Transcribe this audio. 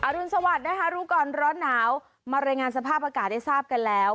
รุนสวัสดิ์นะคะรู้ก่อนร้อนหนาวมารายงานสภาพอากาศได้ทราบกันแล้ว